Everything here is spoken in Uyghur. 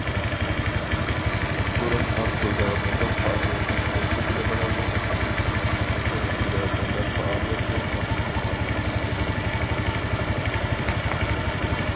بۇرۇن ئاقسۇدا مۇنداق پائالىيەتنىڭ ئۆتكۈزۈلىدىغانلىقىنى بىلمەيتتىم، ئۈرۈمچىدە بۇنداق پائالىيەتكە قاتنىشىپ باققان.